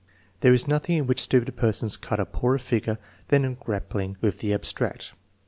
There is nothing in which stupid persons cut a poorer figure than in grappling with the abstract.